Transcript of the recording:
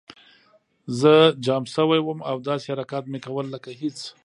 زه جام شوی وم او داسې حرکات مې کول لکه هېڅ